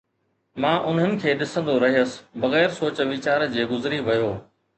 مان انهن کي ڏسندو رهيس ۽ بغير سوچ ويچار جي گذري ويو